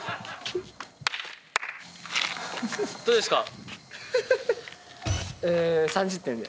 どうですか？